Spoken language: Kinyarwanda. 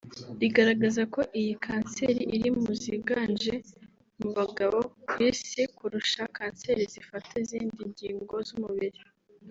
rigaragaza ko iyi kanseri iri mu ziganje mu bagabo ku isi kurusha kanseri zifata izindi ngingo z’umubiri